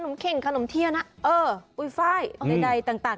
ขนมเครงขนมเทียนะเอออุไฟล์ใดต่าง